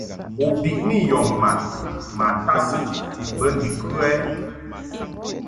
U biʼni yɔ mad ma tadsɨʼ bə ndikə ?